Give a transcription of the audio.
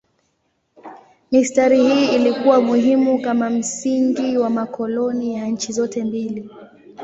Mistari hii ilikuwa muhimu kama msingi wa makoloni ya nchi zote mbili.